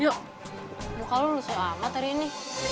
yuk muka lusuh amat hari ini